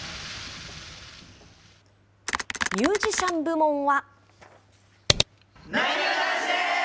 ミュージシャン部門は。